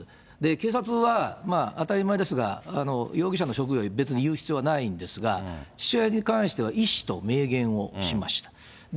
警察は、当たり前ですが、容疑者の職業を別に言う必要ないんですが、父親に関しては医師と明言をしました。